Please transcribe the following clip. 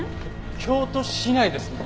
京都市内ですね。